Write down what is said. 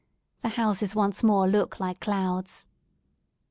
The houses once more look like clouds.